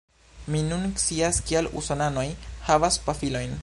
Mi nun scias kial usonanoj havas pafilojn